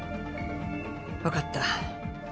わかった。